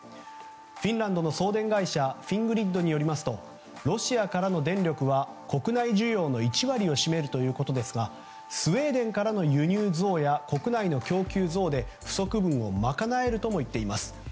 フィンランドの送電会社フィングリッドによりますとロシアからの電力は国内需要の１割を占めるということですがスウェーデンからの輸入増や国内の供給増で不足分を賄えるとも言っています。